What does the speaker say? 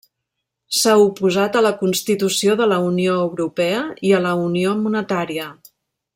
S'ha oposat a la constitució de la Unió Europea i a la unió monetària.